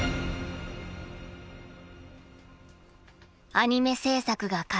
アニメ制作が開始。